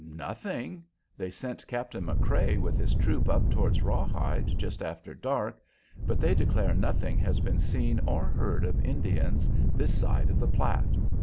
"Nothing. They sent Captain McCrea with his troop up towards Rawhide just after dark, but they declare nothing has been seen or heard of Indians this side of the Platte.